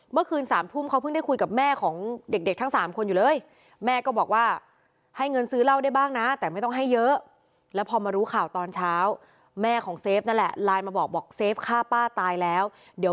เมื่อคืนสามทุ่มเขาเพิ่งได้คุยกับแม่ของเด็กทั้งสามคนอยู่เลย